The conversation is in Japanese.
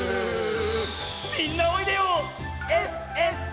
みんなおいでよ！ＳＳＪ！